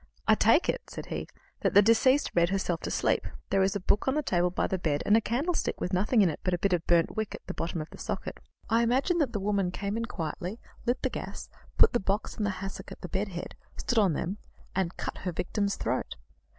"I take it," said he, "that the deceased read herself to sleep. There is a book on the table by the bed, and a candlestick with nothing in it but a bit of burnt wick at the bottom of the socket. I imagine that the woman came in quietly, lit the gas, put the box and the hassock at the bedhead, stood on them, and cut her victim's throat.